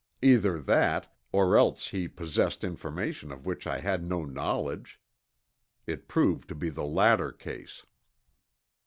Either that, or else he possessed information of which I had no knowledge. It proved to be the latter case.